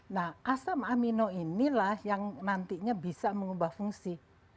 nah asam amino inilah yang nantinya bisa mengubah fungsi